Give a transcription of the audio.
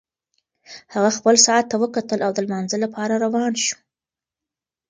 هغه خپل ساعت ته وکتل او د لمانځه لپاره روان شو.